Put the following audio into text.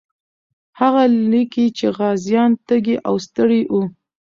هغه لیکي چې غازیان تږي او ستړي وو.